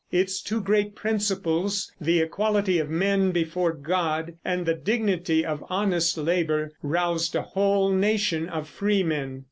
Its two great principles, the equality of men before God and the dignity of honest labor, roused a whole nation of freemen.